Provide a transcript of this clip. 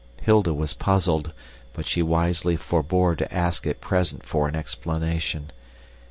Hilda was puzzled, but she wisely forebore to ask at present for an explanation.